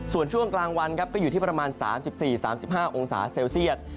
ส่วนช่วงกลางวันครับก็อยู่ที่ประมาณ๓๔๓๕องศาเซลเซียต